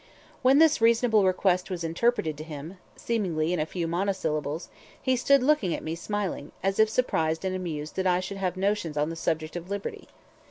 When this reasonable request was interpreted to him seemingly in a few monosyllables he stood looking at me, smiling, as if surprised and amused that I should have notions on the subject of liberty.